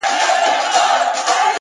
د فکر عادتونه سرنوشت جوړوي!